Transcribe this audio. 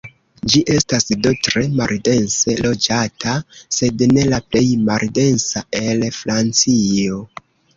Ĝi estas do tre maldense loĝata, sed ne la plej maldensa el Francio.